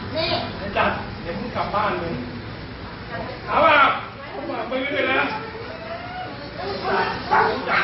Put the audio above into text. แม่งยูมลูกเต็มทำไมไม่อาจให้เสียใจ